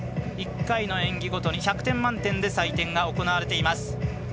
１回の演技ごとに１００点満点で採点が行われます。